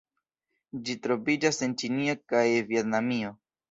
Ĝi troviĝas en Ĉinio kaj Vjetnamio.